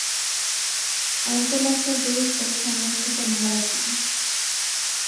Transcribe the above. আন্ত নাকের দূরত্ব সামনের থেকে ভালো কম।